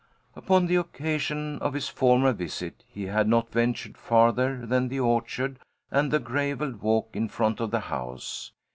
Upon the occasion of his former visit he had not ventured farther than the orchard and the gravelled walk in front of the house.